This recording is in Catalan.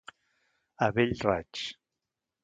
A bell raig.